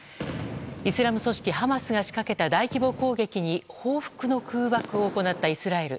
イスラム組織ハマスが仕掛けた大規模攻撃に報復の空爆を行ったイスラエル。